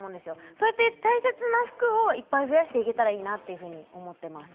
そうやって、大切な服をいっぱい増やしていけたらいいなと思ってます。